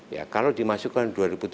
ya kalau dimasukkan